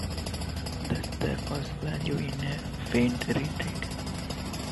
Thus there was value in a "feigned" retreat.